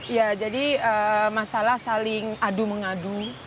ya jadi masalah saling adu mengadu